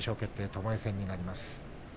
ともえ戦になります。